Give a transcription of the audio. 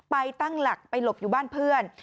ไปตั้งหลักไปหลบอยู่บ้านเพื่อน